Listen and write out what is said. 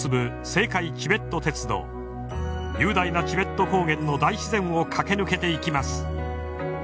雄大なチベット高原の大自然を駆け抜けていきます。